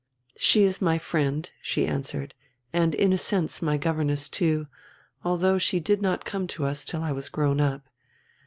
"She is my friend," she answered, "and in a sense my governess too, although she did not come to us till I was grown up.